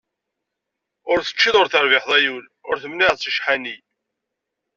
Ur teččiḍ, ur terbiḥeḍ ay ul, ur temniɛeḍ seg ccḥani.